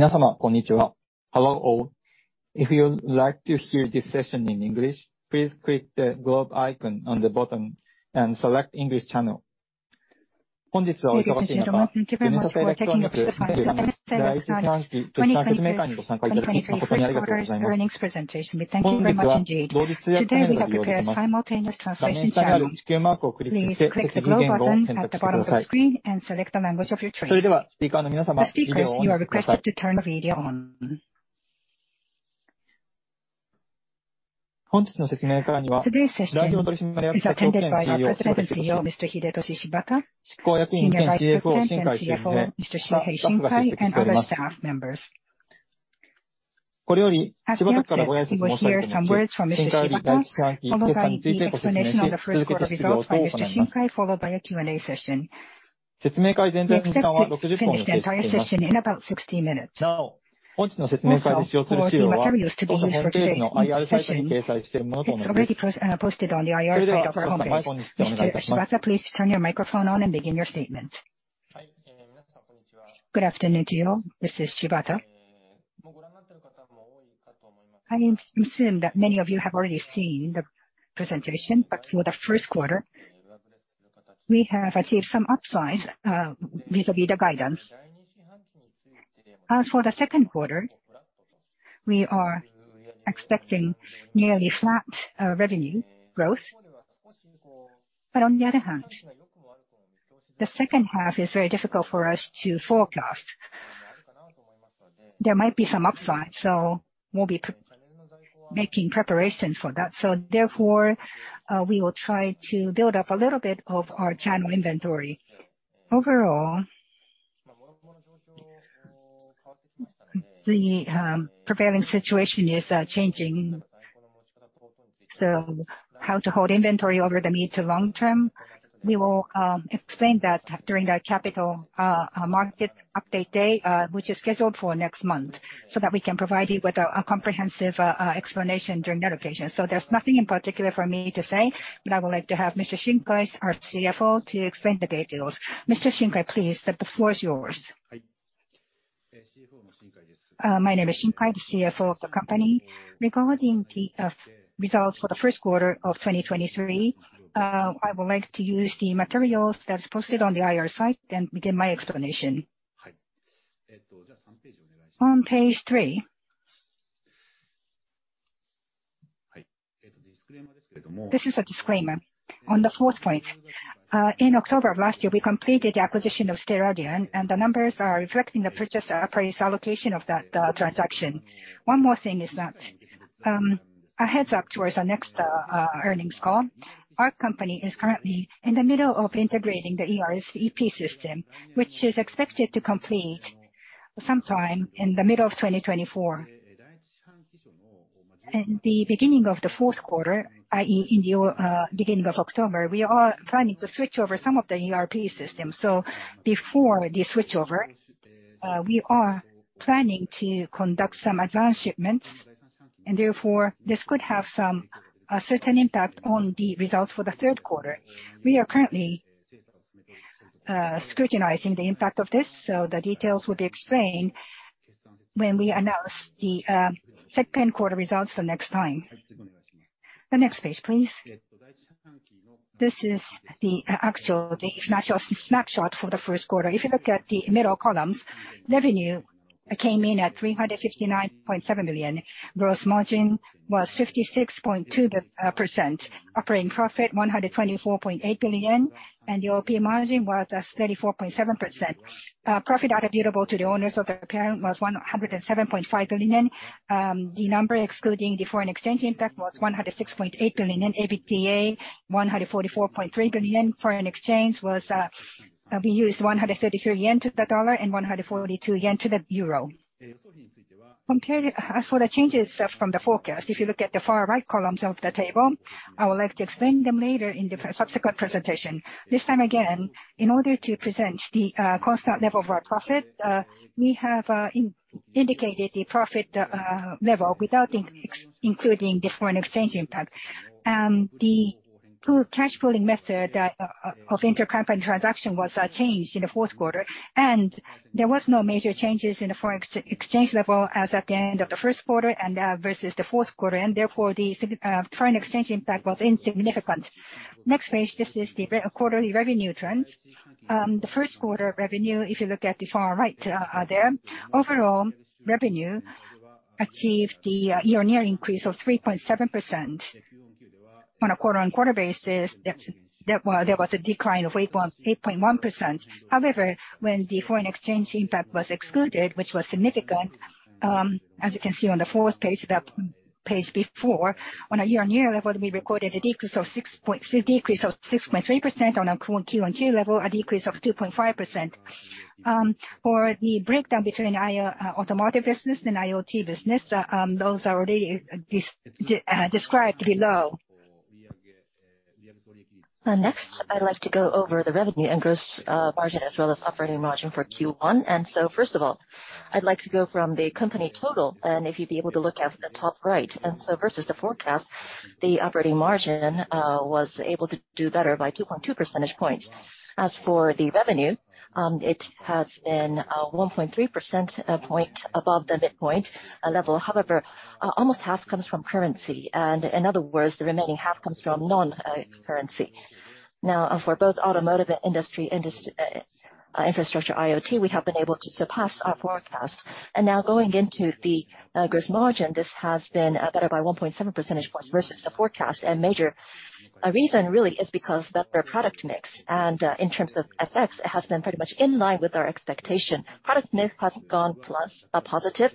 Hello, all. If you would like to hear this session in English, please click the globe icon on the bottom and select English channel. Ladies and gentlemen, thank you very much for taking the time to participate in our 2023 first quarter earnings presentation. We thank you very much indeed. Today, we have prepared simultaneous translation channel. Please click the globe button at the bottom of the screen and select the language of your choice. The speakers, you are requested to turn the radio on. Today's session is attended by our President and CEO, Mr. Hidetoshi Shibata, Senior Vice President and CFO, Mr. Shuhei Shinkai, and other staff members. As we advertised, you will hear some words from Mr. Shibata, followed by the explanation of the first quarter results by Mr. Shinkai, followed by a Q&A session. We expect to finish the entire session in about 60 minutes. All the materials to be used for today's session, it's already posted on the IR site of our homepage. Shibata, please turn your microphone on and begin your statement. Good afternoon to you all. This is Shibata. I am assume that many of you have already seen the presentation, but for the first quarter, we have achieved some upside, vis-à-vis the guidance. As for the second quarter, we are expecting nearly flat revenue growth. On the other hand, the second half is very difficult for us to forecast. There might be some upside, so we'll be making preparations for that. Therefore, we will try to build up a little bit of our channel inventory. Overall, the prevailing situation is changing. How to hold inventory over the mid to long term, we will explain that during our capital market update day, which is scheduled for next month, so that we can provide you with a comprehensive explanation during that occasion. There's nothing in particular for me to say, but I would like to have Mr. Shinkai, our CFO, to explain the details. Mr. Shinkai, please, the floor is yours. My name is Shinkai, the CFO of the company. Regarding the results for the first quarter of 2023, I would like to use the materials that's posted on the IR site, then begin my explanation. On page 3. This is a disclaimer. On the fourth point, in October of last year, we completed the acquisition of Steradian, the numbers are reflecting the purchase price allocation of that transaction. One more thing is that a heads-up towards our next earnings call. Our company is currently in the middle of integrating the ERP system, which is expected to complete sometime in the middle of 2024. In the beginning of the fourth quarter, i.e., in the beginning of October, we are planning to switch over some of the ERP system. Before the switchover, we are planning to conduct some advanced shipments, and therefore, this could have some, a certain impact on the results for the third quarter. We are currently scrutinizing the impact of this, the details will be explained when we announce the second quarter results the next time. The next page, please. This is the actual, the financial snapshot for the first quarter. If you look at the middle columns, revenue came in at 359.7 million. Gross margin was 56.2%. Operating profit, 124.8 billion. The OP margin was at 34.7%. Profit attributable to the owners of the parent was 107.5 billion yen. The number excluding the foreign exchange impact was 106.8 billion yen. EBITDA, 144.3 billion yen. Foreign exchange was, we used 133 yen to the dollar and 142 yen to the euro. Compared, as for the changes, from the forecast, if you look at the far right columns of the table, I would like to explain them later in the subsequent presentation. This time again, in order to present the constant level of our profit, we have indicated the profit level without including the foreign exchange impact. The pool, cash pooling method of intercompany transaction was changed in the fourth quarter. There was no major changes in the forex exchange level as at the end of the first quarter and versus the fourth quarter. Therefore, the foreign exchange impact was insignificant. Next page. This is the quarterly revenue trends. The first quarter revenue, if you look at the far right, there, overall revenue achieved the year-on-year increase of 3.7%. On a quarter-on-quarter basis, there was a decline of 8.1%. When the foreign exchange impact was excluded, which was significant, as you can see on the fourth page, that page before, on a year-on-year level, we recorded a decrease of 6.3%. On a Q-on-Q level, a decrease of 2.5%. For the breakdown between IIBU, automotive business and IoT business, those are already described below. Next, I'd like to go over the revenue and gross margin, as well as operating margin for Q1. First of all, I'd like to go from the company total, and if you'd be able to look at the top right. Versus the forecast, the operating margin was able to do better by 2.2 percentage points. As for the revenue, it has been 1.3%, point above the midpoint level. However, almost half comes from currency. In other words, the remaining half comes from non-currency. Now, for both automotive and industry infrastructure IoT, we have been able to surpass our forecast. Now going into the gross margin, this has been better by 1.7 percentage points versus the forecast. Major reason really is because better product mix. In terms of FX, it has been pretty much in line with our expectation. Product mix has gone plus positive,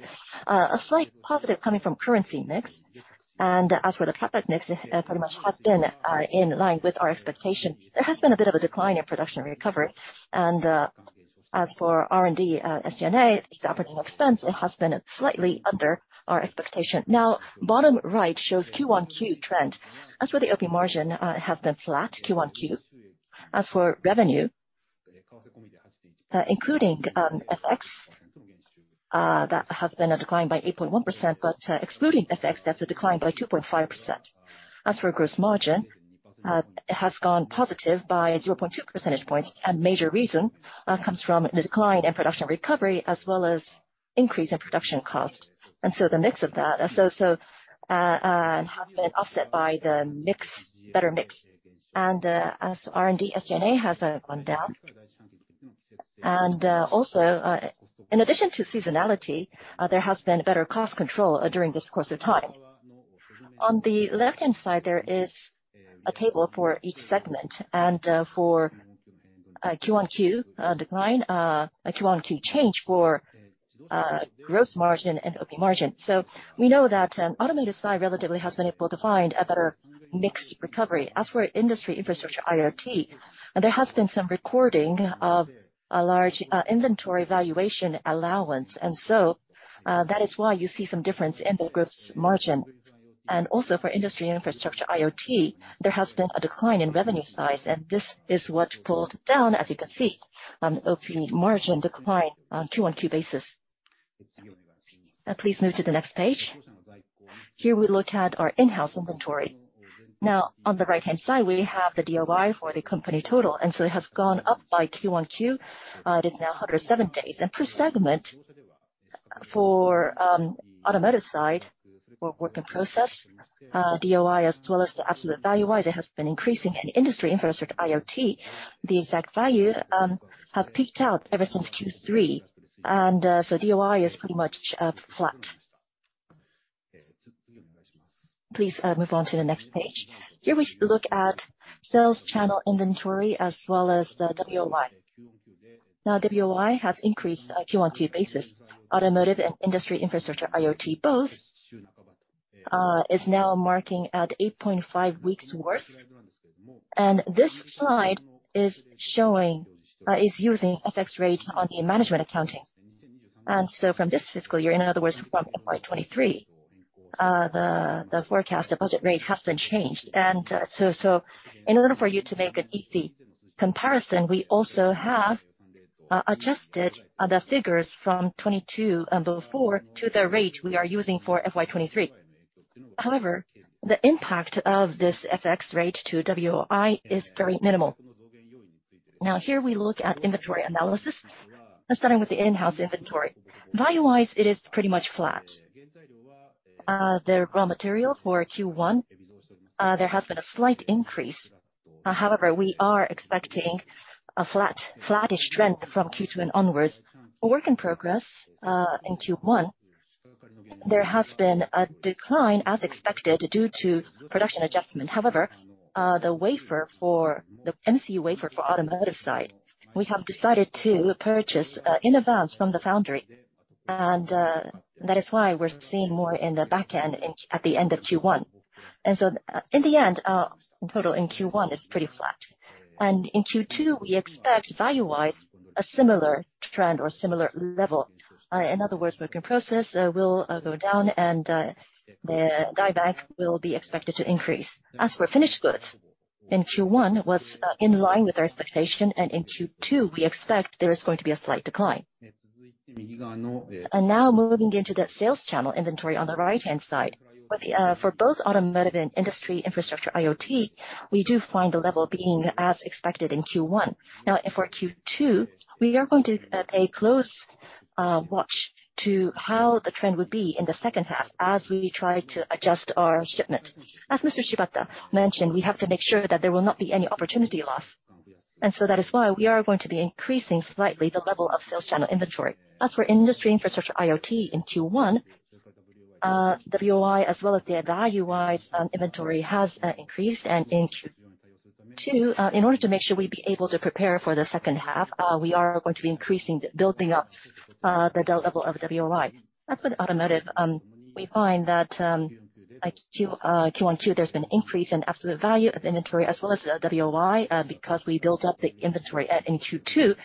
a slight positive coming from currency mix. As for the product mix, it pretty much has been in line with our expectation. There has been a bit of a decline in production recovery. As for R&D, SG&A, its operating expense, it has been slightly under our expectation. Now, bottom right shows Q1 Q trend. As for the OP margin, it has been flat Q1 Q. As for revenue, including FX, that has been a decline by 8.1%, but excluding FX, that's a decline by 2.5%. As for gross margin, it has gone positive by 0.2 percentage points. Major reason comes from the decline in production recovery as well as increase in production cost. The mix of that has been offset by the mix, better mix. As R&D SG&A has gone down. Also, in addition to seasonality, there has been better cost control during this course of time. On the left-hand side, there is a table for each segment and for a Q2 decline, Q1 change for gross margin and OP margin. We know that automotive side relatively has been able to find a better mix recovery. As for industry infrastructure IoT, there has been some recording of a large inventory valuation allowance. That is why you see some difference in the gross margin. Also for Industry Infrastructure IoT, there has been a decline in revenue size, and this is what pulled down, as you can see, OP margin decline on Q2 basis. Now please move to the next page. Here we look at our in-house inventory. Now, on the right-hand side, we have the DOI for the company total, it has gone up by Q2. It is now 107 days. Per segment, for automotive side, for work in process, DOI as well as the absolute value-wise, it has been increasing. In Industry Infrastructure IoT, the exact value has peaked out ever since Q3. DOI is pretty much flat. Please move on to the next page. Here we look at sales channel inventory as well as the WOI. Now, WOI has increased, Q2 basis. Automotive and industry infrastructure IoT both is now marking at 8.5 weeks' worth. This slide is showing is using FX rate on the management accounting. From this fiscal year, in other words, from FY 2023, the forecast, the budget rate has been changed. So in order for you to make an easy comparison, we also have adjusted the figures from 2022 and before to the rate we are using for FY 2023. However, the impact of this FX rate to WOI is very minimal. Now, here we look at inventory analysis, starting with the in-house inventory. Value-wise, it is pretty much flat. The raw material for Q1, there has been a slight increase. However, we are expecting a flat, flattish trend from Q2 and onwards. Work in progress, in Q1, there has been a decline as expected due to production adjustment. However, the wafer for the MCU wafer for automotive side, we have decided to purchase in advance from the foundry. That is why we're seeing more in the back end in, at the end of Q1. In the end, total in Q1 is pretty flat. In Q2, we expect value-wise a similar trend or similar level. In other words, work in process, will go down and the die bank will be expected to increase. As for finished goods, in Q1 was in line with our expectation, and in Q2, we expect there is going to be a slight decline. Now moving into the sales channel inventory on the right-hand side. With the for both automotive and Industry Infrastructure IoT, we do find the level being as expected in Q1. Now, for Q2, we are going to pay close watch to how the trend would be in the second half as we try to adjust our shipment. As Mr. Shibata mentioned, we have to make sure that there will not be any opportunity loss. That is why we are going to be increasing slightly the level of sales channel inventory. As for Industry Infrastructure IoT in Q1, WOI as well as the value-wise inventory has increased. In Q2, in order to make sure we be able to prepare for the second half, we are going to be increasing, building up the data level of WOI. As for the automotive, we find that Q1, there's been increase in absolute value of inventory as well as WOI, because we built up the inventory in Q2.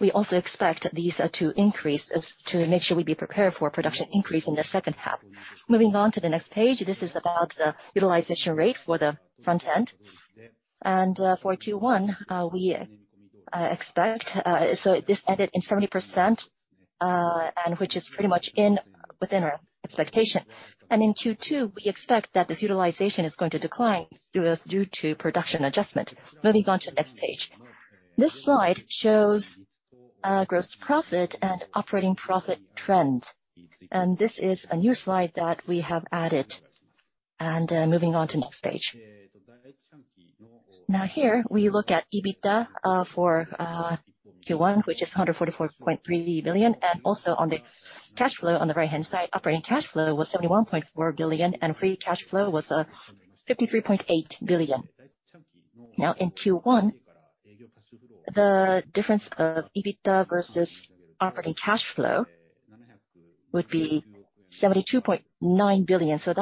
We also expect these to increase as to make sure we be prepared for production increase in the second half. Moving on to the next page, this is about the utilization rate for the front end. For Q1, we expect so this ended in 70%, which is pretty much within our expectation. In Q2, we expect that this utilization is going to decline due to production adjustment. Moving on to next page. This slide shows gross profit and operating profit trends. This is a new slide that we have added. Moving on to next page. Now here, we look at EBITDA, for Q1, which is 144.3 billion. Also on the cash flow on the right-hand side, operating cash flow was 71.4 billion, and free cash flow was 53.8 billion. Now, in Q1, the difference of EBITDA versus operating cash flow would be 72.9 billion. Some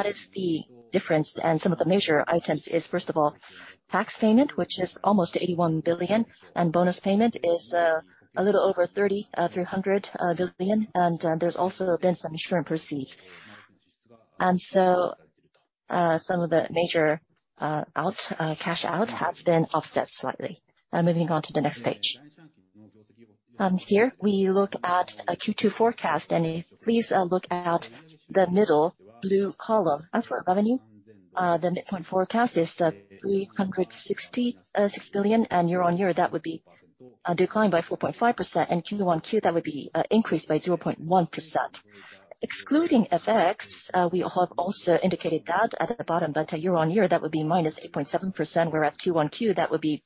of the major items is, first of all, tax payment, which is almost 81 billion, and bonus payment is a little over 300 billion. There's also been some insurance proceeds. Some of the major cash out has been offset slightly. Now moving on to the next page. Here we look at a Q2 forecast. Please, look at the middle blue column. As for revenue, the midpoint forecast is 366 billion. Year-over-year, that would be a decline by 4.5%. Q2, that would be increase by 0.1%. Excluding FX, we have also indicated that at the bottom. Year-over-year, that would be -8.7%, whereas Q2, that would be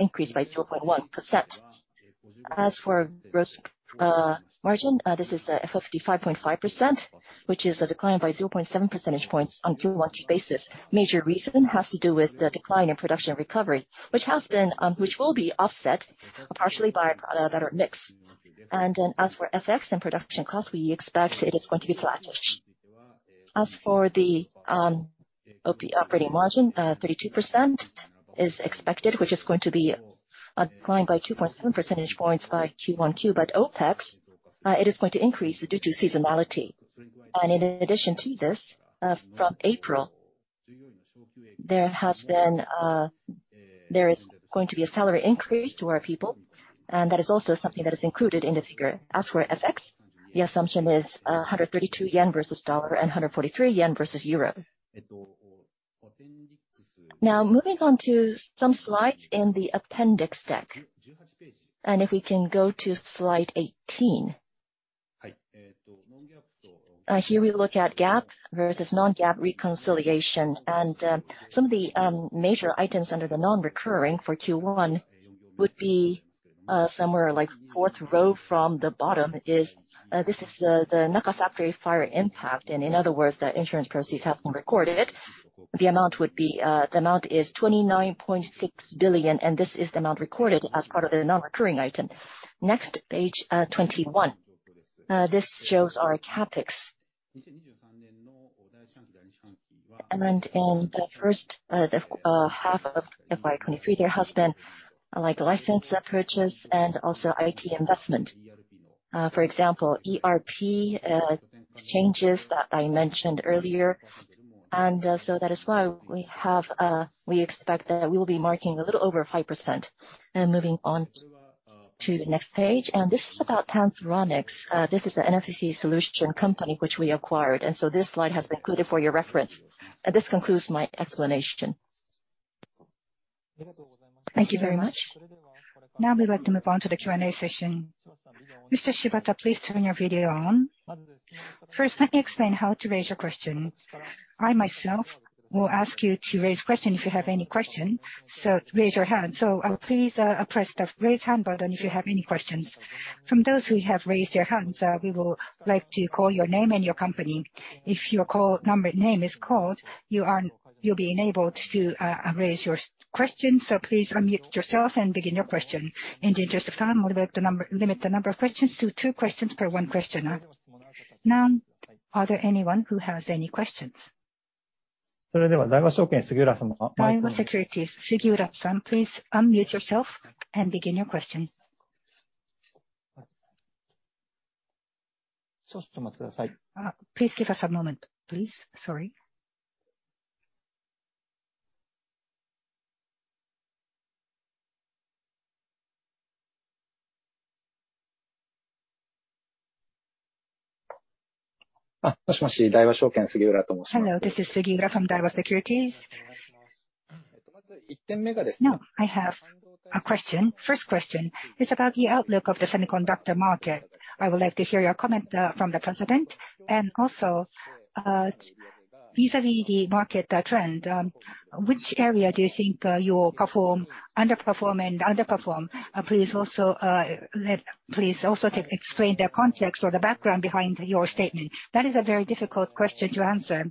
increase by 0.1%. As for gross margin, this is 55.5%, which is a decline by 0.7 percentage points on Q2 basis. Major reason has to do with the decline in production recovery, which will be offset partially by products that are mixed. As for FX and production cost, we expect it is going to be flattish. As for the OP margin, 32% is expected, which is going to be a decline by 2.7 percentage points by Q2. OpEx, it is going to increase due to seasonality. In addition to this, from April, there is going to be a salary increase to our people, and that is also something that is included in the figure. As for FX, the assumption is 132 yen versus USD and JPY 143 versus EUR. Moving on to some slides in the appendix deck. If we can go to slide 18. Here we look at GAAP versus non-GAAP reconciliation. Some of the major items under the non-recurring for Q1 would be somewhere like fourth row from the bottom is this is the Naka fire impact. In other words, the insurance proceeds have been recorded. The amount would be the amount is 29.6 billion, this is the amount recorded as part of the non-recurring item. Next, page 21. This shows our CapEx. In the first half of FY 2023, there has been like license purchase and also IT investment. For example, ERP changes that I mentioned earlier. That is why we have we expect that we will be marking a little over 5%. Moving on to the next page. This is about Panthronics. This is an NFC solution company which we acquired. This slide has been included for your reference. This concludes my explanation. Thank you very much. We'd like to move on to the Q&A session. Mr. Shibata, please turn your video on. First, let me explain how to raise your question. I myself will ask you to raise question if you have any question, raise your hand. Please press the raise hand button if you have any questions. From those who have raised their hands, we will like to call your name and your company. If your call number, name is called, you'll be enabled to raise your question, please unmute yourself and begin your question. In the interest of time, we'll limit the number of questions to two questions per one questioner. Are there anyone who has any questions? Daiwa Securities, Sugiura-san, please unmute yourself and begin your question. Please give us a moment, please. Sorry. Hello, this is Sugiura from Daiwa Securities. I have a question. First question is about the outlook of the semiconductor market. I would like to hear your comment from the President. Also, vis-a-vis the market trend, which area do you think you will perform and underperform? Please also explain the context or the background behind your statement. That is a very difficult question to answer.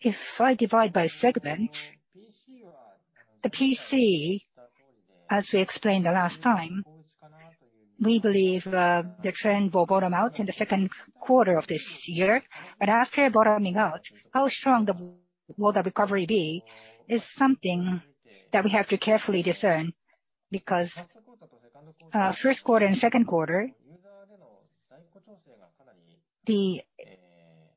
If I divide by segment, the PC, as we explained the last time, we believe the trend will bottom out in the second quarter of this year. After bottoming out, how strong will the recovery be is something that we have to carefully discern, because, first quarter and second quarter. The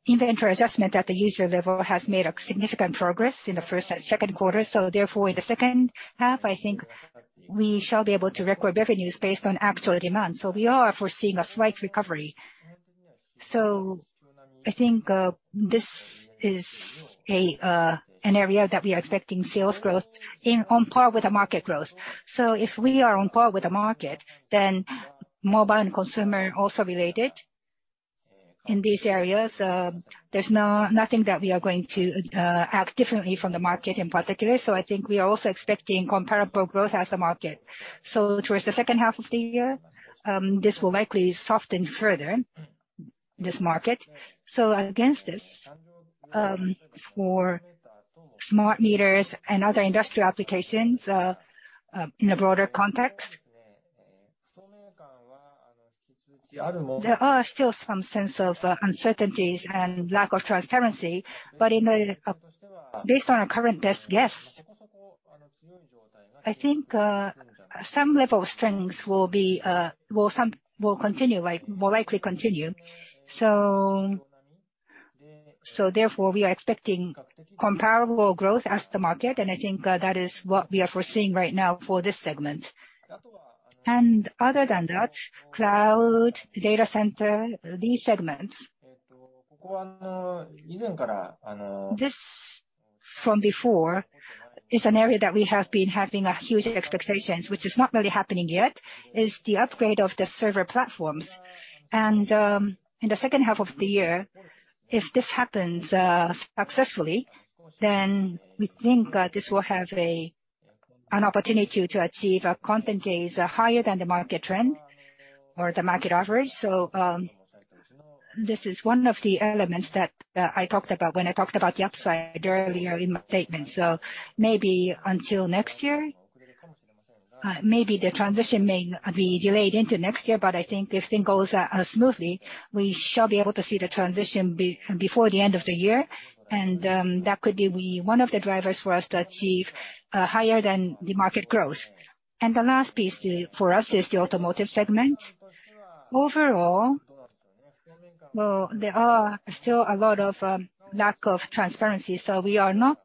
inventory adjustment at the user level has made a significant progress in the first and second quarter. Therefore, in the second half, I think we shall be able to record revenues based on actual demand. We are foreseeing a slight recovery. I think this is an area that we are expecting sales growth in on par with the market growth. If we are on par with the market, then mobile and consumer also related. In these areas, there's nothing that we are going to act differently from the market in particular. I think we are also expecting comparable growth as the market. Towards the second half of the year, this will likely soften further, this market. Against this, for smart meters and other industrial applications, in a broader context, there are still some sense of uncertainties and lack of transparency. In based on our current best guess, I think some level of strengths will be will continue, like, will likely continue. Therefore, we are expecting comparable growth as the market, and I think that is what we are foreseeing right now for this segment. Other than that, cloud, data center, these segments, this from before is an area that we have been having huge expectations, which is not really happening yet, is the upgrade of the server platforms. In the second half of the year, if this happens, successfully, then we think, this will have an opportunity to achieve a content days higher than the market trend or the market average. This is one of the elements that, I talked about when I talked about the upside earlier in my statement. Maybe until next year, maybe the transition may be delayed into next year, but I think if things goes, smoothly, we shall be able to see the transition before the end of the year. That could be one of the drivers for us to achieve, higher than the market growth. The last piece for us is the automotive segment. Overall, well, there are still a lot of lack of transparency, so we are not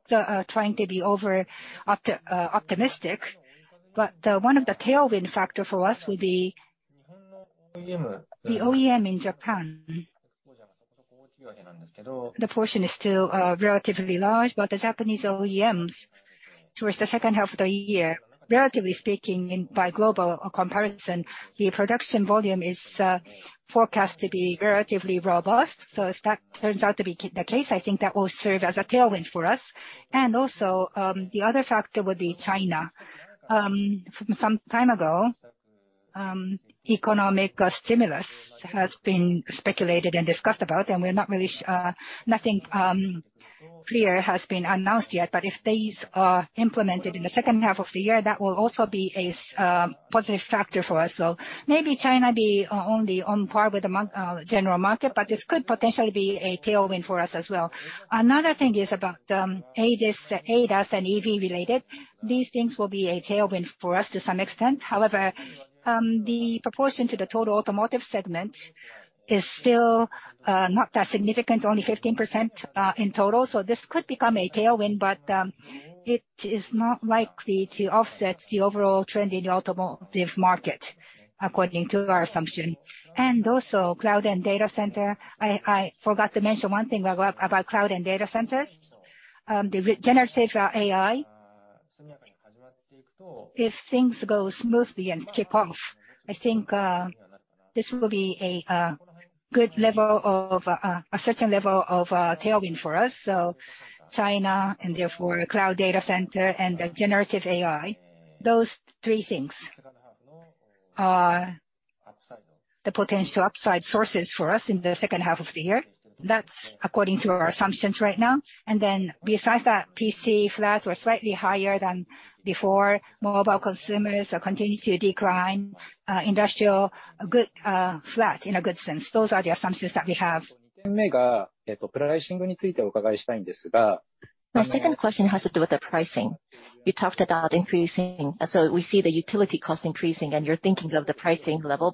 trying to be over optimistic. One of the tailwind factor for us would be the OEM in Japan. The portion is still relatively large, but the Japanese OEMs towards the second half of the year, relatively speaking in by global comparison, the production volume is forecast to be relatively robust. If that turns out to be the case, I think that will serve as a tailwind for us. The other factor would be China. Some time ago, economic stimulus has been speculated and discussed about, and we're not really nothing clear has been announced yet. If these are implemented in the second half of the year, that will also be a positive factor for us. Maybe China be only on par with the general market, but this could potentially be a tailwind for us as well. Another thing is about ADAS and EV related. These things will be a tailwind for us to some extent. However, the proportion to the total automotive segment is still not that significant, only 15% in total. This could become a tailwind, but it is not likely to offset the overall trend in the automotive market according to our assumption. Also cloud and data center. I forgot to mention one thing about cloud and data centers. The generative AI. If things go smoothly and kick off, I think this will be a good level of a certain level of tailwind for us. China and therefore cloud data center and the generative AI, those three things are the potential upside sources for us in the second half of the year. That's according to our assumptions right now. Besides that, PC flat or slightly higher than before, mobile consumers are continuing to decline. Industrial, a good, flat in a good sense. Those are the assumptions that we have. My second question has to do with the pricing. You talked about increasing, so we see the utility cost increasing and you're thinking of the pricing level.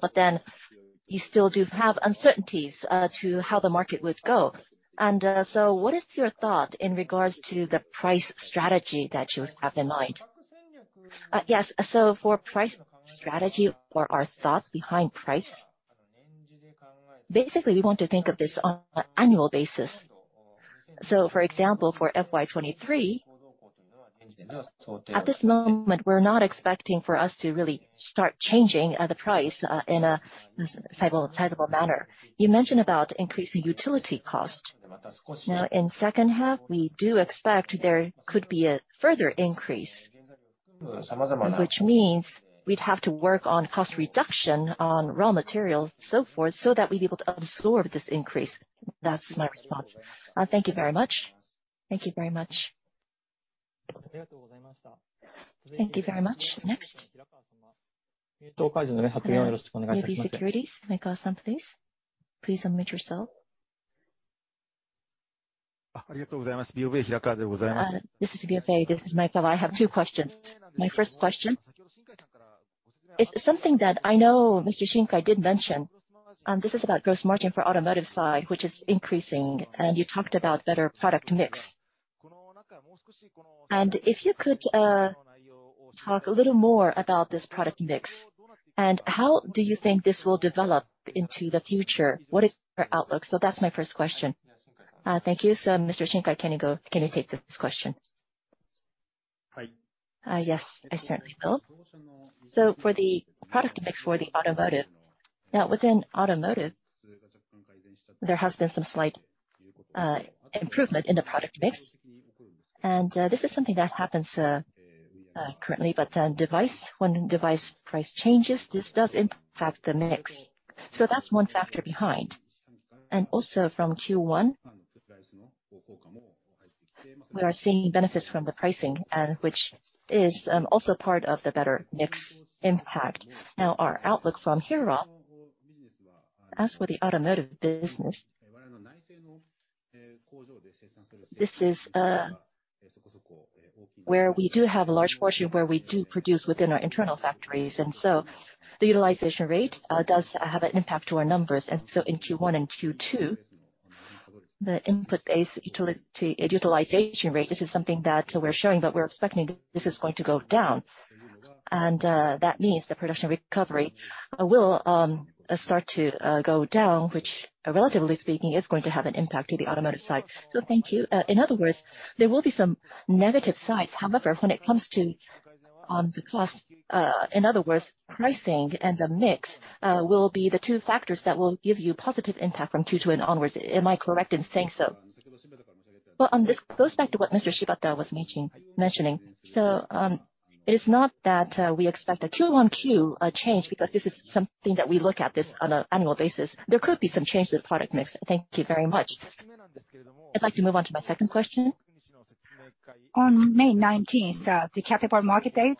You still do have uncertainties, to how the market would go. What is your thought in regards to the price strategy that you have in mind? Yes. For price strategy or our thoughts behind price, basically, we want to think of this on annual basis. For example, for FY23, at this moment, we're not expecting for us to really start changing the price in a sizable manner. You mentioned about increasing utility cost. Now, in second half, we do expect there could be a further increase, which means we'd have to work on cost reduction on raw materials, so forth, so that we'd be able to absorb this increase. That's my response. Thank you very much. Thank you very much. Thank you very much. Next? Hello, BofA Securities, Michael, please. Please unmute yourself. This is BofA Securities. This is Michael. I have two questions. My first question, it's something that I know Mr. Shinkai did mention. This is about gross margin for automotive side, which is increasing. You talked about better product mix. If you could talk a little more about this product mix and how do you think this will develop into the future? What is your outlook? That's my first question. Thank you. Mr. Shinkai, can you take this question? Yes, I certainly will. For the product mix for the automotive. Now, within automotive there has been some slight improvement in the product mix. This is something that happens currently. When device price changes, this does impact the mix. That's one factor behind. From Q1, we are seeing benefits from the pricing and which is also part of the better mix impact. Our outlook from here on, as for the automotive business, this is where we do have a large portion, where we do produce within our internal factories. The utilization rate does have an impact to our numbers. In Q1 and Q2, the input-based utility utilization rate, this is something that we're showing, but we're expecting this is going to go down. That means the production recovery will start to go down, which relatively speaking, is going to have an impact to the automotive side. Thank you. In other words, there will be some negative sides. However, when it comes to the cost, in other words, pricing and the mix, will be the two factors that will give you positive impact from Q2 and onwards. Am I correct in saying so? Well, this goes back to what Mr. Shibata was mentioning. It is not that we expect a Q on Q change because this is something that we look at this on an annual basis. There could be some change to the product mix. Thank you very much. I'd like to move on to my second question. On May 19th, the Capital Markets Day,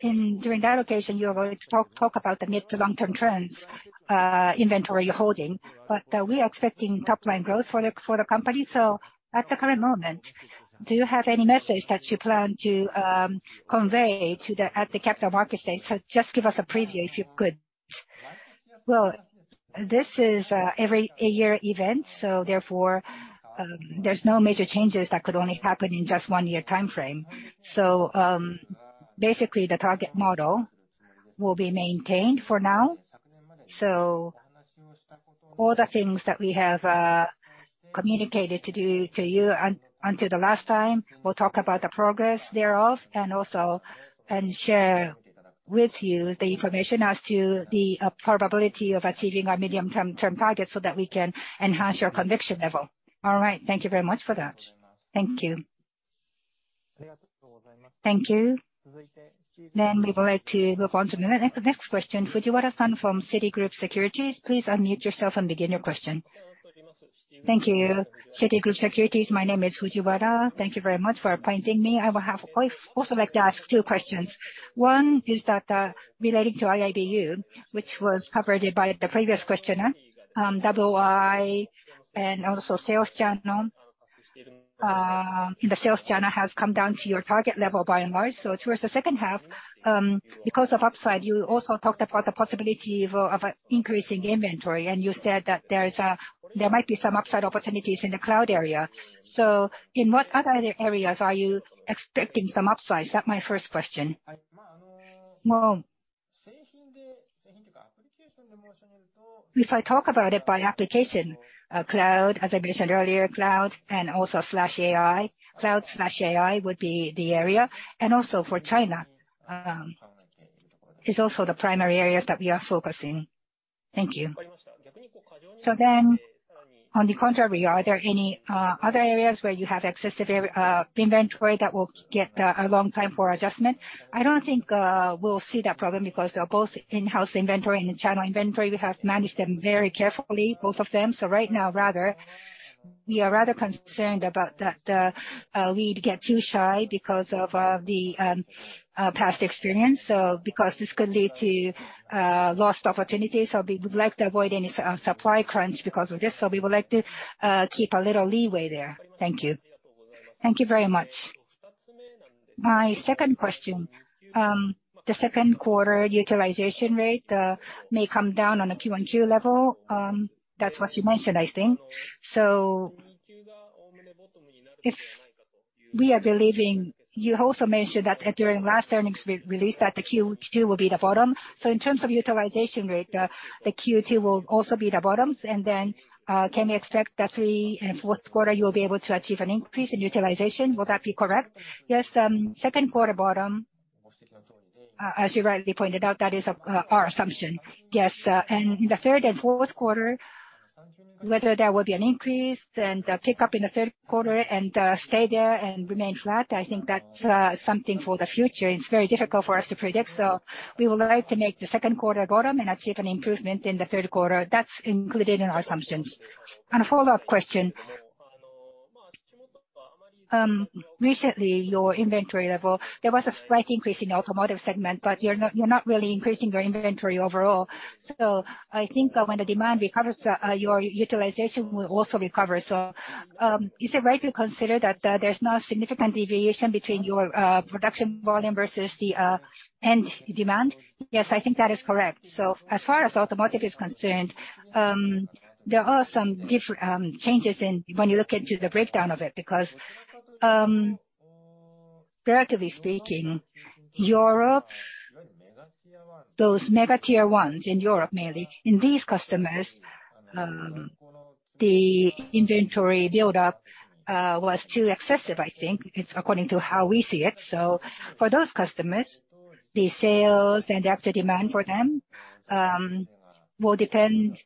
in, during that occasion, you were going to talk about the mid to long-term trends, inventory you're holding. We are expecting top line growth for the company. At the current moment, do you have any message that you plan to convey to the Capital Markets Day? Just give us a preview if you could. This is every a year event, therefore, there's no major changes that could only happen in just one year timeframe. Basically the target model will be maintained for now. All the things that we have communicated to do to you until the last time, we'll talk about the progress thereof and also, and share with you the information as to the probability of achieving our medium term target so that we can enhance your conviction level. All right. Thank you very much for that. Thank you. Thank you. We would like to move on to the next question. Fujiwara-san from Citigroup Securities, please unmute yourself and begin your question. Thank you. Citigroup Securities, my name is Fujiwara. Thank you very much for appointing me. I would also like to ask two questions. One is that, relating to IIBU, which was covered by the previous questioner, WOI and also sales channel, the sales channel has come down to your target level by and large. Towards the second half, because of upside, you also talked about the possibility of an increasing inventory, and you said that there is, there might be some upside opportunities in the cloud area. In what other areas are you expecting some upside? That's my first question. Well, if I talk about it by application, cloud, as I mentioned earlier, cloud and also slash AI, cloud slash AI would be the area. For China, is also the primary areas that we are focusing. Thank you. On the contrary, are there any other areas where you have excessive inventory that will get a long time for adjustment? I don't think we'll see that problem because both in-house inventory and the channel inventory, we have managed them very carefully, both of them. Right now rather, we are rather concerned about that we'd get too shy because of the past experience. Because this could lead to lost opportunities, we would like to avoid any supply crunch because of this. We would like to keep a little leeway there. Thank you. Thank you very much. My second question, the second quarter utilization rate may come down on a Q1, Q2 level. That's what you mentioned, I think. If we are believing, you also mentioned that during last earnings re-release that the Q2 will be the bottom. In terms of utilization rate, the Q2 will also be the bottoms, and then can we expect that in fourth quarter you'll be able to achieve an increase in utilization? Will that be correct? Yes. Second quarter bottom, as you rightly pointed out, that is our assumption. Yes. In the third and fourth quarter, whether there will be an increase and a pickup in the third quarter and stay there and remain flat, I think that's something for the future. It's very difficult for us to predict. We would like to make the second quarter bottom and achieve an improvement in the third quarter. That's included in our assumptions. A follow-up question. Recently, your inventory level, there was a slight increase in automotive segment, but you're not really increasing your inventory overall. I think that when the demand recovers, your utilization will also recover. Is it right to consider that there's no significant deviation between your production volume versus the end demand? Yes, I think that is correct. As far as automotive is concerned, there are some different changes in, when you look into the breakdown of it. Relatively speaking, Europe, those mega tier ones in Europe mainly, in these customers, the inventory buildup was too excessive, I think. It's according to how we see it. For those customers, the sales and the actual demand for them, will depend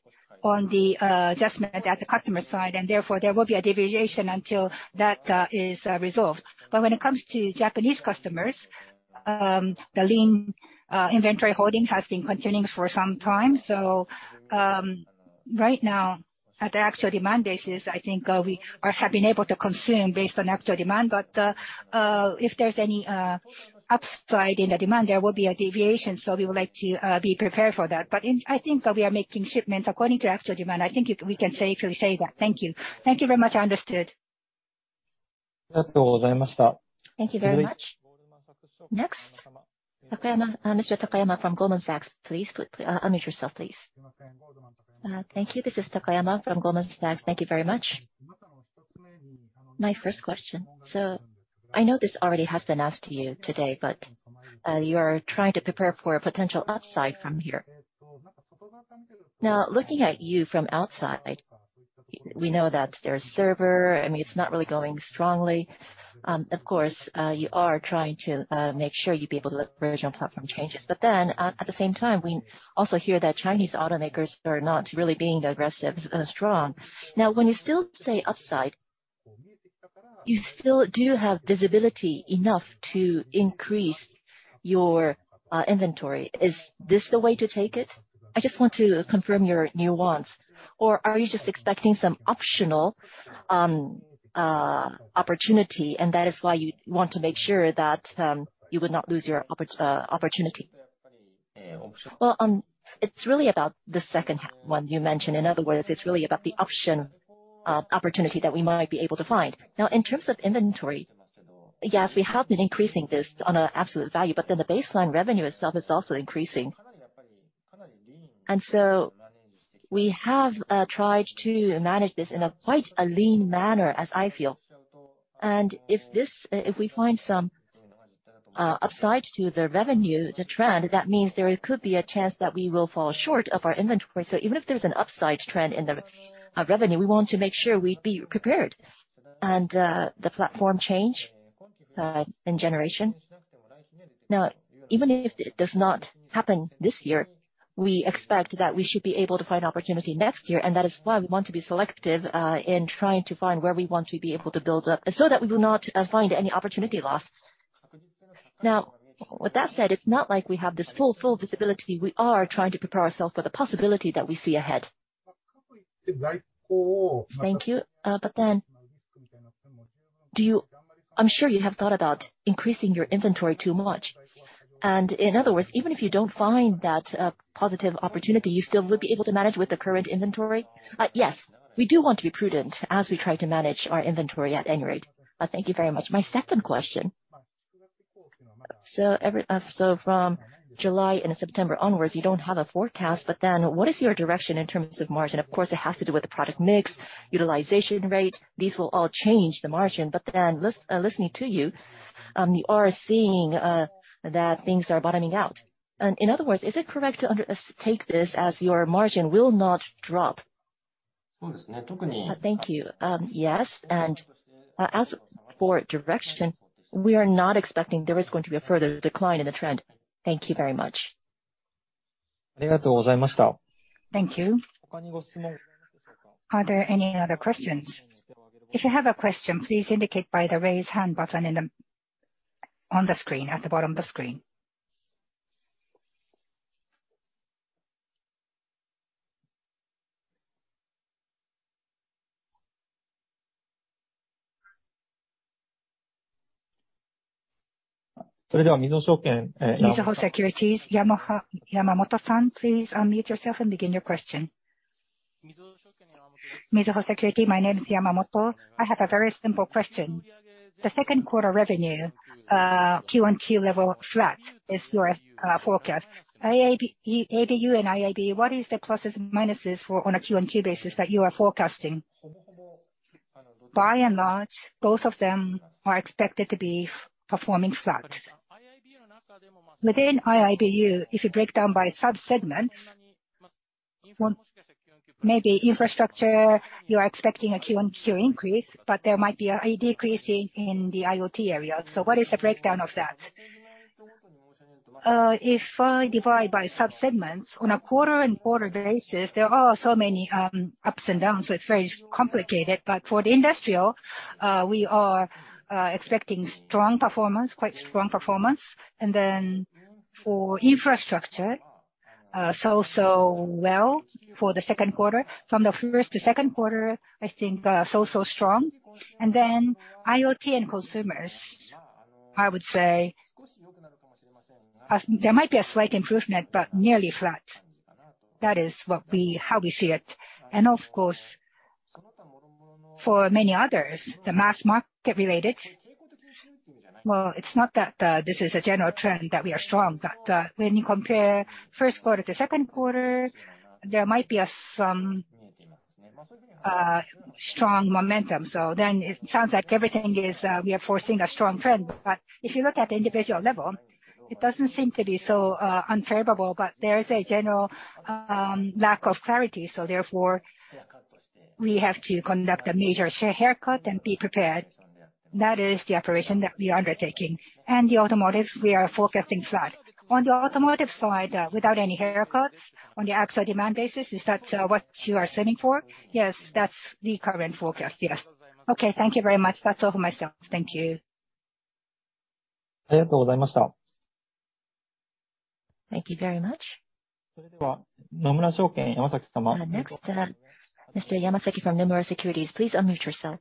on the adjustment at the customer side. Therefore, there will be a deviation until that is resolved. When it comes to Japanese customers, the lean inventory holding has been continuing for some time. Right now, at the actual demand basis, I think, we are have been able to consume based on actual demand. If there's any upside in the demand, there will be a deviation. We would like to be prepared for that. I think that we are making shipments according to actual demand. I think we can safely say that. Thank you. Thank you very much. I understood. Thank you very much. Next, Takayama, Mr. Takayama from Goldman Sachs, please. Unmute yourself, please. Thank you. This is Takayama from Goldman Sachs. Thank you very much. My first question. I know this already has been asked to you today, but you are trying to prepare for a potential upside from here. Looking at you from outside, we know that there is server. I mean, it's not really going strongly. Of course, you are trying to make sure you'll be able to leverage on platform changes. At the same time, we also hear that Chinese automakers are not really being aggressive, strong. When you still say upside, you still do have visibility enough to increase your inventory. Is this the way to take it? I just want to confirm your nuance. Are you just expecting some optional opportunity, and that is why you want to make sure that you would not lose your opportunity? Well, it's really about the second one you mentioned. In other words, it's really about the option opportunity that we might be able to find. In terms of inventory, yes, we have been increasing this on a absolute value, but then the baseline revenue itself is also increasing. We have tried to manage this in a quite a lean manner, as I feel. If we find some upside to the revenue, the trend, that means there could be a chance that we will fall short of our inventory. Even if there's an upside trend in the revenue, we want to make sure we'd be prepared. The platform change in generation. Even if it does not happen this year, we expect that we should be able to find opportunity next year. That is why we want to be selective in trying to find where we want to be able to build up, so that we will not find any opportunity lost. With that said, it's not like we have this full visibility. We are trying to prepare ourselves for the possibility that we see ahead. Thank you. I'm sure you have thought about increasing your inventory too much. In other words, even if you don't find that positive opportunity, you still will be able to manage with the current inventory? Yes. We do want to be prudent as we try to manage our inventory at any rate. Thank you very much. My second question. From July and September onwards, you don't have a forecast. What is your direction in terms of margin? Of course, it has to do with the product mix, utilization rate. These will all change the margin. Listening to you are seeing that things are bottoming out. In other words, is it correct to take this as your margin will not drop? Thank you. Yes, as for direction, we are not expecting there is going to be a further decline in the trend. Thank you very much. Thank you. Are there any other questions? If you have a question, please indicate by the Raise Hand button in the, on the screen, at the bottom of the screen. Mizuho Securities, Yamamoto-san, please unmute yourself and begin your question. Mizuho Securities. My name is Yamamoto. I have a very simple question. The second quarter revenue Q-on-Q level flat is your forecast. ABU and IIBU, what is the pluses and minuses for on a Q-on-Q basis that you are forecasting? By and large, both of them are expected to be performing flat. Within IIBU, if you break down by sub-segments, one, maybe infrastructure, you are expecting a Q-on-Q increase, there might be a decrease in the IoT area. What is the breakdown of that? If I divide by sub-segments, on a quarter-on-quarter basis, there are so many ups and downs, so it's very complicated. For the industrial, we are expecting strong performance, quite strong performance. For infrastructure, so well for the second quarter. From the first to second quarter, I think, so strong. IoT and consumers, I would say, there might be a slight improvement, but nearly flat. That is how we see it. Of course, for many others, the mass market related, well, it's not that this is a general trend that we are strong, but when you compare first quarter to second quarter, there might be some strong momentum. It sounds like everything is, we are forcing a strong trend. If you look at the individual level, it doesn't seem to be so unfavorable, but there is a general lack of clarity, so therefore we have to conduct a major share haircut and be prepared. That is the operation that we are undertaking. The automotive, we are focusing flat. On the automotive side, without any haircuts on the actual demand basis, is that what you are assuming for? Yes, that's the current forecast, yes. Okay, thank you very much. That's all for myself. Thank you. Thank you very much. Next, Mr. Yamasaki from Nomura Securities, please unmute yourself.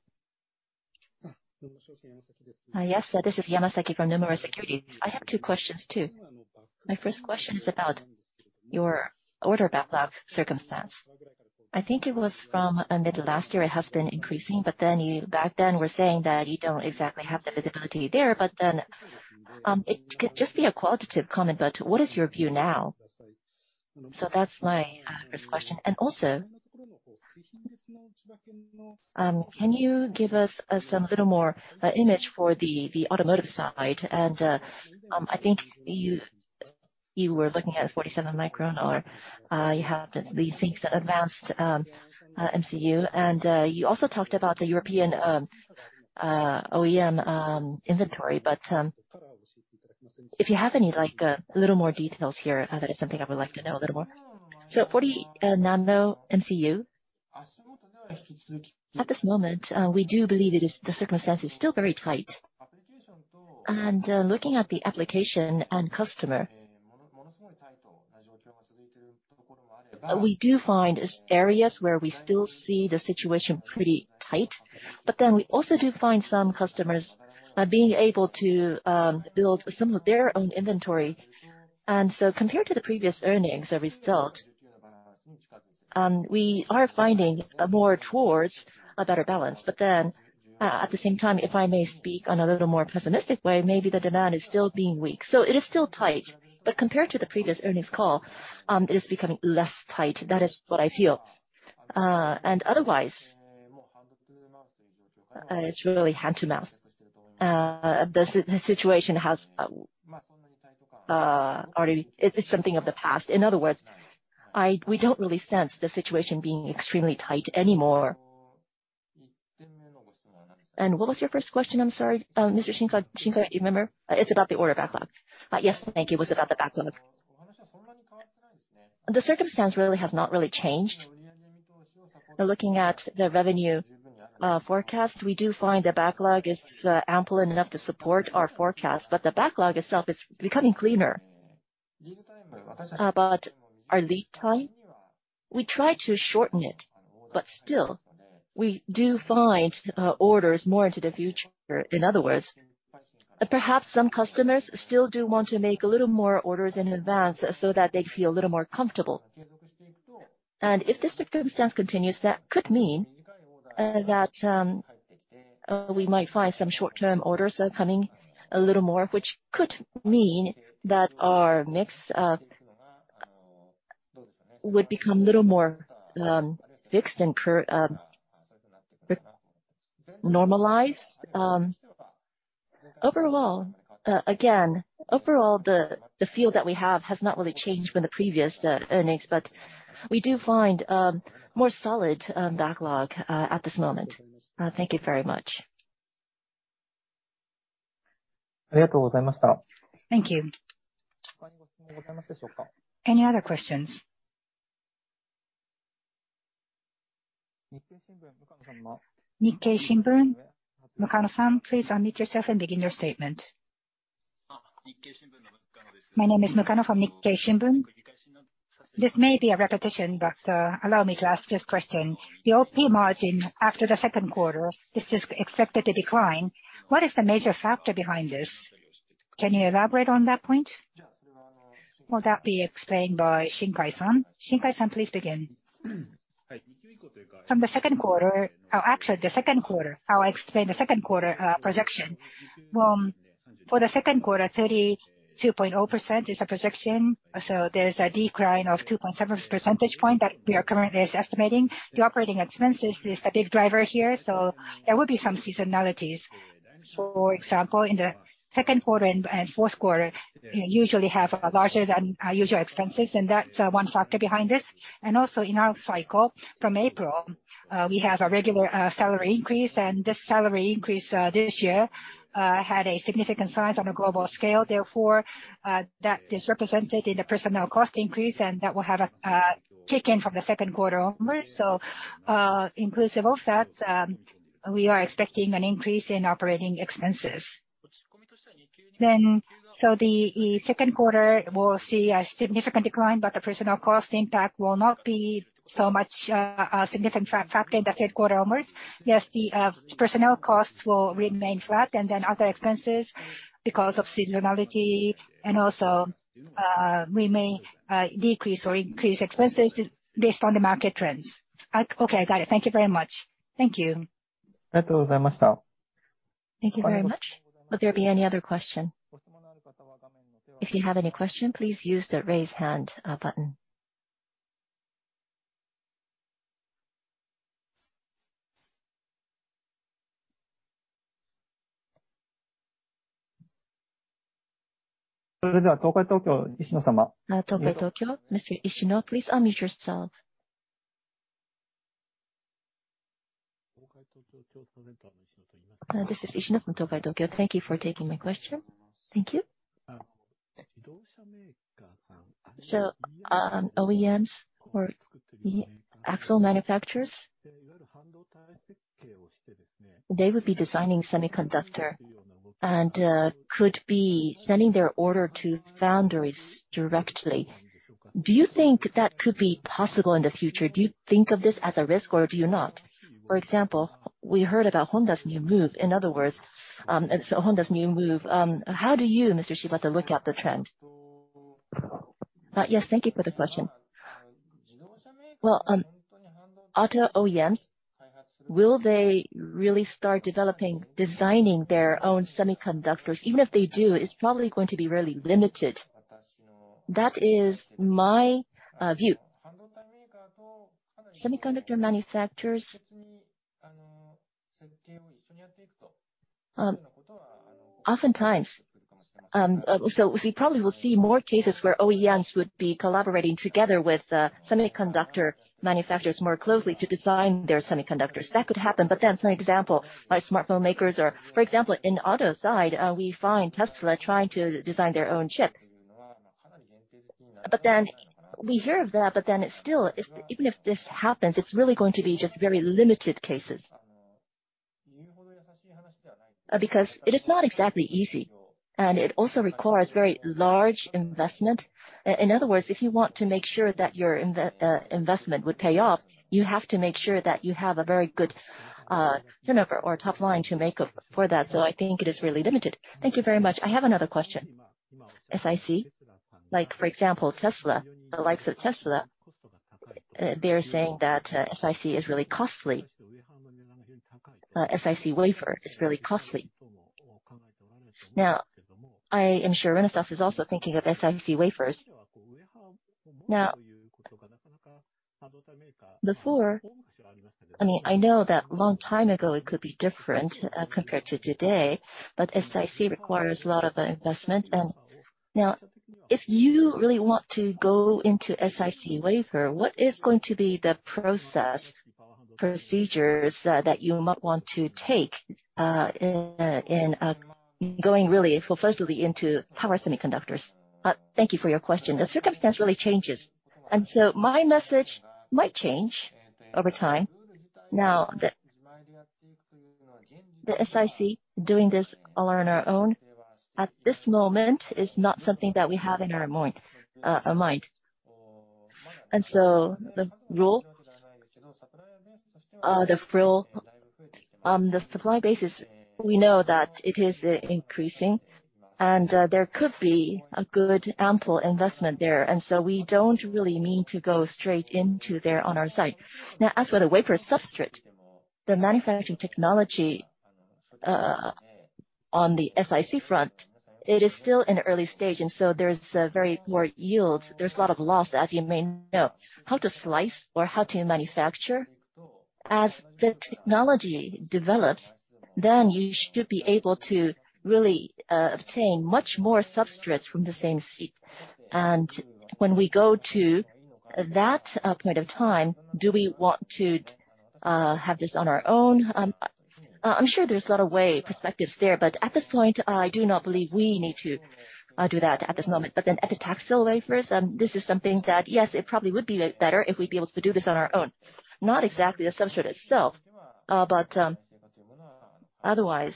Yes, this is Yamasaki from Nomura Securities. I have two questions, too. My first question is about your order backlog circumstance. I think it was from mid last year it has been increasing, but then you back then were saying that you don't exactly have the visibility there. It could just be a qualitative comment, but what is your view now? That's my first question. Also, can you give us some little more image for the automotive side? I think you were looking at a 47 micron or, you have the things that advanced MCU. You also talked about the European OEM inventory. If you have any like, little more details here, that is something I would like to know a little more. 40nm MCU. At this moment, we do believe it is, the circumstance is still very tight. Looking at the application and customer, we do find is areas where we still see the situation pretty tight, we also do find some customers being able to build some of their own inventory. Compared to the previous earnings result, we are finding more towards a better balance. At the same time, if I may speak on a little more pessimistic way, maybe the demand is still being weak. It is still tight, but compared to the previous earnings call, it is becoming less tight. That is what I feel. Otherwise, it's really hand to mouth. The situation has already, it's something of the past. In other words, we don't really sense the situation being extremely tight anymore. What was your first question? I'm sorry. Mr. Shinkai, do you remember? It's about the order backlog. Yes, thank you. It was about the backlog. The circumstance really has not really changed. Looking at the revenue forecast, we do find the backlog is ample and enough to support our forecast, but the backlog itself is becoming cleaner. Our lead time, we try to shorten it, but still we do find orders more into the future. In other words, perhaps some customers still do want to make a little more orders in advance so that they feel a little more comfortable. If the circumstance continues, that could mean that we might find some short-term orders are coming a little more, which could mean that our mix would become a little more fixed and normalized. Overall, again, overall, the feel that we have has not really changed from the previous earnings. We do find more solid backlog at this moment. Thank you very much. Thank you. Any other questions? Nikkei Shimbun, Mukano-san, please unmute yourself and begin your statement. My name is Mukano from Nikkei Shimbun. This may be a repetition. Allow me to ask this question. The OP margin after the second quarter is expected to decline. What is the major factor behind this? Can you elaborate on that point? Well that be explained by Shinkai-san. Shinkai-san, please begin. From the second quarter, or actually the second quarter, I'll explain the second quarter projection. For the second quarter, 32.0% is the projection, so there's a decline of 2.7 percentage point that we are currently is estimating. The operating expenses is the big driver here, so there will be some seasonalities. For example, in the second quarter and fourth quarter, you usually have a larger than usual expenses, and that's one factor behind this. Also in our cycle from April, we have a regular salary increase, and this salary increase this year had a significant size on a global scale. That is represented in the personnel cost increase, and that will have a kick in from the second quarter onwards. Inclusive of that, we are expecting an increase in operating expenses. The second quarter will see a significant decline, but the personnel cost impact will not be so much, a significant factor in the third quarter onwards. Yes, the personnel costs will remain flat and then other expenses because of seasonality and also, we may decrease or increase expenses based on the market trends. Okay, got it. Thank you very much. Thank you. Thank you very much. Will there be any other question? If you have any question, please use the Raise Hand button. Tokai Tokyo, Mr. Ishino, please unmute yourself. This is Ishino from Tokai Tokyo. Thank you for taking my question. Thank you. OEMs or the actual manufacturers, they would be designing semiconductor and could be sending their order to foundries directly. Do you think that could be possible in the future? Do you think of this as a risk or do you not? For example, we heard about Honda's new move. In other words, Honda's new move, how do you, Mr. Shibata, look at the trend? Yes. Thank you for the question. Well, auto OEMs, will they really start developing, designing their own semiconductors? Even if they do, it's probably going to be really limited. That is my view. Semiconductor manufacturers oftentimes we probably will see more cases where OEMs would be collaborating together with semiconductor manufacturers more closely to design their semiconductors. That could happen, but that's an example by smartphone makers or for example, in auto side, we find Tesla trying to design their own chip. We hear of that, it's still, if even if this happens, it's really going to be just very limited cases. Because it is not exactly easy, and it also requires very large investment. In other words, if you want to make sure that your investment would pay off, you have to make sure that you have a very good turnover or top line to make up for that. I think it is really limited. Thank you very much. I have another question. SiC, like for example, Tesla, the likes of Tesla, they are saying that SiC is really costly. SiC wafer is really costly. I am sure Renesas is also thinking of SiC wafers. Before, I mean, I know that long time ago it could be different compared to today, SiC requires a lot of investment. If you really want to go into SiC wafer, what is going to be the process, procedures, that you might want to take in going really full-forcefully into power semiconductors? Thank you for your question. The circumstance really changes, my message might change over time. The SiC doing this all on our own at this moment is not something that we have in our mind. The rule on the supply basis, we know that it is increasing and there could be a good ample investment there. We don't really need to go straight into there on our side. Now, as for the wafer substrate, the manufacturing technology on the SiC front, it is still in early stage, and so there's very poor yields. There's a lot of loss, as you may know. How to slice or how to manufacture, as the technology develops, then you should be able to really obtain much more substrates from the same seed. When we go to that point of time, do we want to have this on our own? I'm sure there's a lot of way perspectives there, but at this point, I do not believe we need to do that at this moment. At the taxil wafers, this is something that, yes, it probably would be better if we'd be able to do this on our own. Not exactly the substrate itself, but otherwise,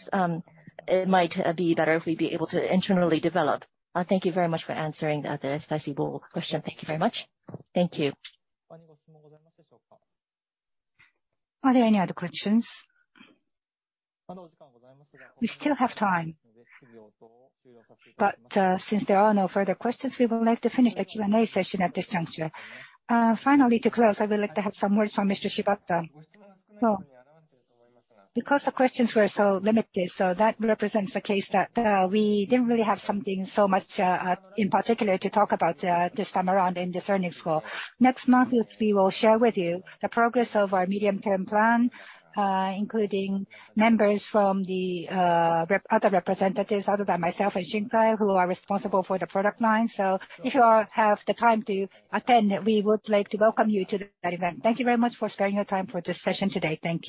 it might be better if we'd be able to internally develop. Thank you very much for answering the SiC question. Thank you very much. Thank you. Are there any other questions? We still have time. Since there are no further questions, we would like to finish the Q&A session at this juncture. Finally, to close, I would like to have some words from Mr. Shibata. Because the questions were so limited, so that represents the case that we didn't really have something so much in particular to talk about this time around in this earnings call. Next month is we will share with you the progress of our medium-term plan, including members from the other representatives other than myself and Shinkai, who are responsible for the product line. If you all have the time to attend, we would like to welcome you to that event. Thank you very much for sparing your time for this session today. Thank you.